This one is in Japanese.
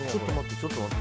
ちょっと待って。